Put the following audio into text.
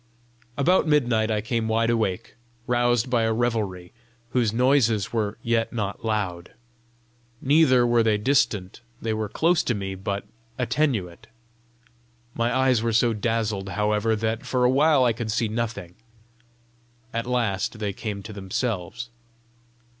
About midnight I came wide awake, roused by a revelry, whose noises were yet not loud. Neither were they distant; they were close to me, but attenuate. My eyes were so dazzled, however, that for a while I could see nothing; at last they came to themselves.